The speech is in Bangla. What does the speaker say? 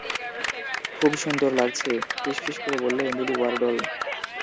খুব সুন্দর লাগছে, ফিসফিস করে বলল এমিলি ওয়ার্ডল।